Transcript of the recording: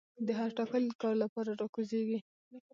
د هر ټاکلي کار لپاره را کوزيږي